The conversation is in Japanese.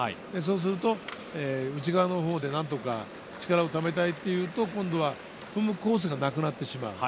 すると内側のほうで何とか力をためたいというと今度は踏むコースがなくなってしまう。